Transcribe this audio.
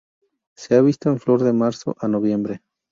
Se ha visto en flor de marzo a noviembre.